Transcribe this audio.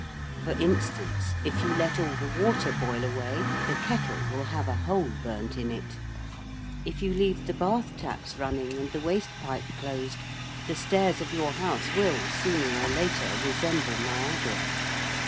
For instance, if you let all the water boil away, the kettle will have a hole burnt in it. If you leave the bath taps running and the waste pipe closed, the stairs of your house will, sooner or later, resemble Niagara.